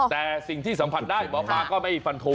แต่สิ่งที่สัมผัสได้หมอปลาก็ไม่ฟันทง